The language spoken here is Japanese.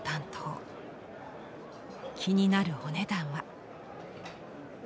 気になるお値段は。